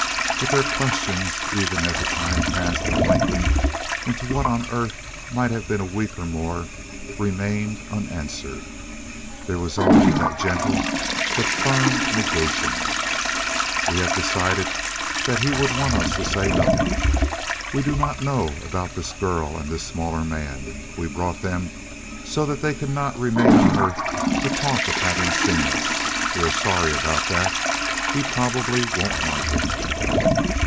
But their questions, even as the time passed and lengthened into what on Earth might have been a week or more, remained unanswered. There was only that gentle but firm negation: "We have decided that he would want us to say nothing. We do not know about this girl and this smaller man. We brought them so that they could not remain on Earth to talk of having seen us. We are sorry about that. He probably won't like it."